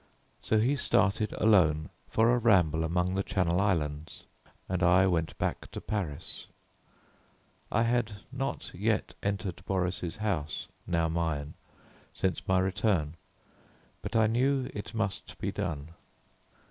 So he started alone for a ramble among the Channel Islands, and I went back to Paris. I had not yet entered Boris' house, now mine, since my return, but I knew it must be done.